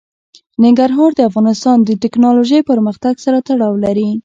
ننګرهار د افغانستان د تکنالوژۍ پرمختګ سره تړاو لري.